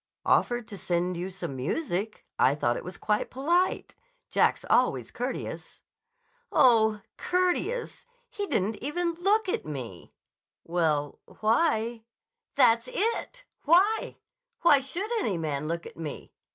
"Offered to send you some music. I thought it was quite polite. Jack's always courteous." "Oh, courteous! He didn't even look at me." "Well, why—" "That's it! Why? Why should any man look at me?